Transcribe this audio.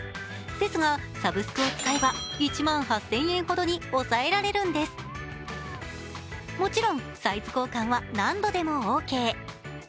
ですが、サブスクを使えば１万８０００円ほどに抑えられるんですもちろんサイズ交換は何度でもオーケー。